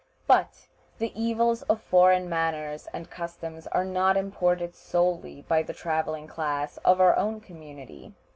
But the evils of foreign manners and customs are not imported solely by the traveling class of our own community.